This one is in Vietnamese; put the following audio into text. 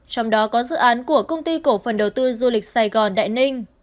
trong đó có dự án của công ty cổ phần đầu tư du lịch sài gòn đại ninh